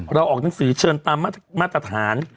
ออกหนังสือเชิญตามมาตรฐาน